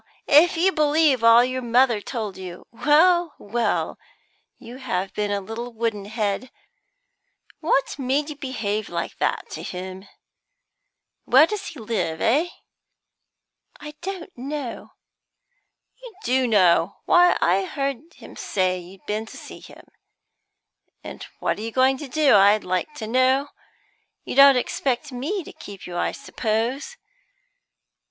"If you believe all your mother told you, Well, well, you have been a little wooden head. What made you behave like that to him? Where does he live, eh?" "I don't know." "You do know. Why, I heard him say you'd been to see him. And what are you going to do, I'd like to know? You don't expect me to keep you, I s'pose.